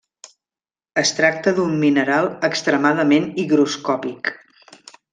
Es tracta d'un mineral extremadament higroscòpic.